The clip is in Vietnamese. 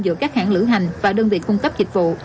giữa các hãng lữ hành và đơn vị cung cấp dịch vụ